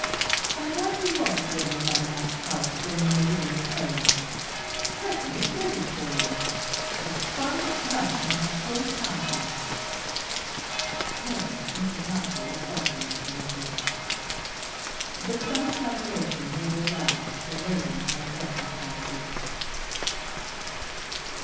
And why do you want to live in another man's house when you may live in your own? Tretton is ready for you, the finest mansion in the whole county." Here Mrs. Mountjoy exaggerated a little, but some exaggeration may be allowed to a lady in her circumstances.